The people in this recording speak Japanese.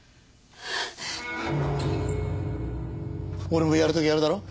俺もやる時はやるだろ？